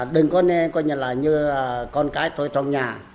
đừng có nên coi như là như con cái trôi trong nhà